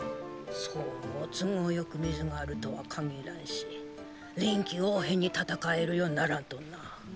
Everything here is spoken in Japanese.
そう都合よく水があるとはかぎらんし臨機応変に戦えるようにならんとな。